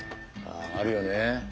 あああるよね。